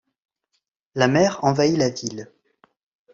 La mer envahit la ville.